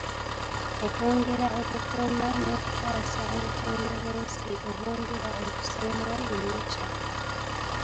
Okwongera okukuuma n’okutaasa obutonde bw’ensi obwongera okusaanawo buli lukya.